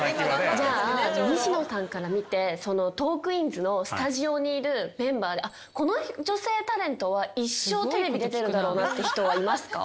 じゃあ西野さんから見て『トークィーンズ』のスタジオにいるメンバーでこの女性タレントは一生テレビ出てるだろうなって人はいますか？